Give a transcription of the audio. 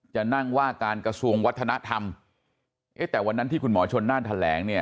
จะนั่งว่าการกระทรวงวัฒนธรรมเอ๊ะแต่วันนั้นที่คุณหมอชนน่านแถลงเนี่ย